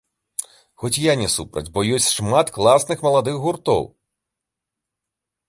Хоць я не супраць, бо ёсць шмат класных маладых гуртоў!